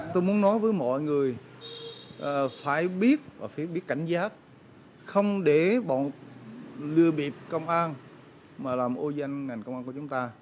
tôi muốn nói với mọi người phải biết và phải biết cảnh giác không để bọn lừa bịp công an mà làm ô danh ngành công an của chúng ta